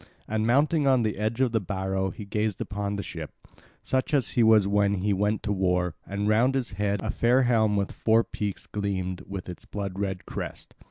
And mounting on the edge of the barrow he gazed upon the ship, such as he was when he went to war; and round his head a fair helm with four peaks gleamed with its blood red crest.